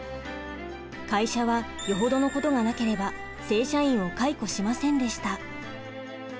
会社はよほどのことがなければ正社員を解雇しませんでした。